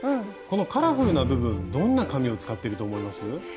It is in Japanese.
このカラフルな部分どんな紙を使っていると思います？